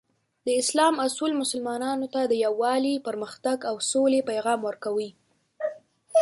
د اسلام اصول مسلمانانو ته د یووالي، پرمختګ، او سولې پیغام ورکوي.